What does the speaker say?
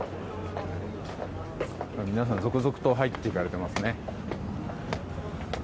皆さん、続々と入っていかれていますね。